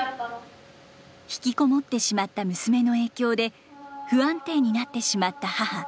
引きこもってしまった娘の影響で不安定になってしまった母。